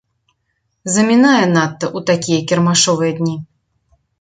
Замінае надта ў такія кірмашовыя дні.